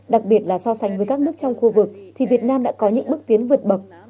đặc biệt là so sánh với các nước trong khu vực thì việt nam đã có những bước tiến vượt bậc